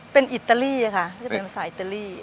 เป็นภาษาอิตาลีนะคะ